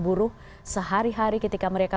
buruh sehari hari ketika mereka